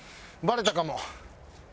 バレたかも。